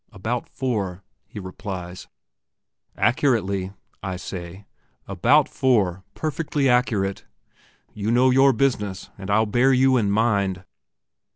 "About four," he replies. "Accurately," I say, "about four, perfectly accurate. You know your business, and I'll bear you in mind."